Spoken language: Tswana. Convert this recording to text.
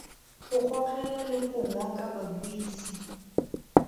Go gogela le go ngoka babuisi.